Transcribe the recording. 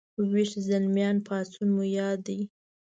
ويښ زلميان پاڅون مو یاد دی